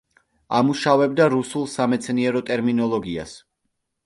ამუშავებდა რუსულ სამეცნიერო ტერმინოლოგიას.